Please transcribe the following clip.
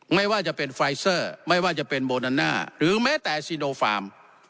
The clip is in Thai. ไม่ว่าจะเป็นไฟเซอร์ไม่ว่าจะเป็นโบนันน่าหรือแม้แต่ซีโนฟาร์ม